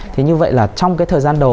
thế như vậy là trong cái thời gian đầu